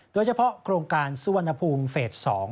โดยเฉพาะโครงการสุวรรณภูมิเฟส๒